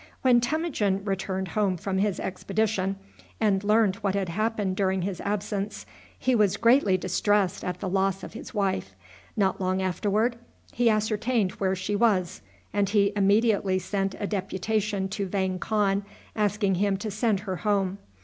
When Temujin returned home from his expedition, and learned what had happened during his absence, he was greatly distressed at the loss of his wife. Not long afterward he ascertained where she was, and he immediately sent a deputation to Vang Khan asking him to send her home.